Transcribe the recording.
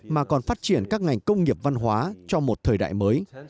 mà còn phát triển các ngành công nghiệp văn hóa cho một thời đại mới